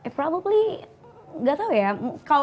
probably gak tau ya